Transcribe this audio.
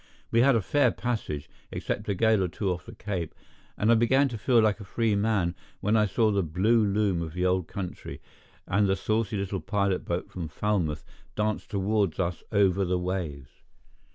We had a fair passage, except a gale or two off the Cape; and I began to feel like a free man when I saw the blue loom of the old country, and the saucy little pilot boat from Falmouth dancing toward us over the waves.